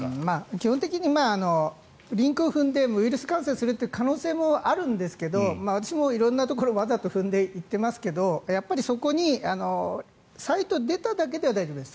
基本的にリンクを踏んでウイルス感染する可能性もあるんですけど私も色んなところをわざと踏んで行っていますけどやっぱりそこに、サイトが出ただけでは大丈夫です。